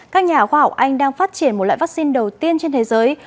các nhà khoa học anh đang phát triển một loại vaccine đầu tiên trên thế giới